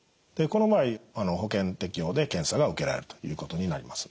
でこの場合保険適用で検査が受けられるということになります。